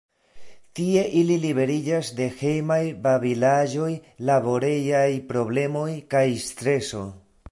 Tie ili liberiĝas de hejmaj babilaĵoj, laborejaj problemoj kaj streso.